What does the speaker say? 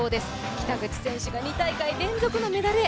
北口選手が２大会連続のメダルへ。